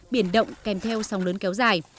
biển động kèm theo sông lớn kéo dài